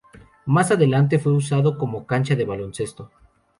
Más adelante fue usado como cancha de baloncesto.